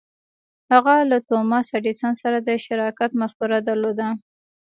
هغه له توماس ایډېسن سره د شراکت مفکوره درلوده.